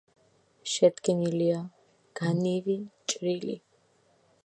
შედგენილია განივი ჭრილი.